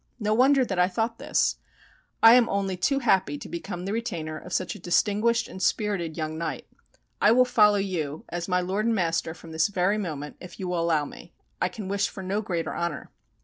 No wonder that I thought this! I am only too happy to become the retainer of such a distinguished and spirited young knight. I will follow you as my lord and 312 THE STORY OF YOSHITSUNE master from this very moment, if you will allow me. I can wish for no greater honor."